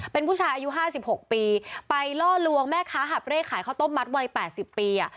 เป็นผู้ชายอายุห้าสิบหกปีไปล่อลวงแม่คะหับเรศขายเขาต้มมัสไว๘๐ปี